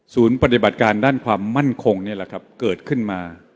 ปฏิบัติการด้านความมั่นคงนี่แหละครับเกิดขึ้นมา